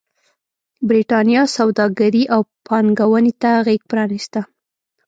برېټانیا سوداګرۍ او پانګونې ته غېږ پرانېسته.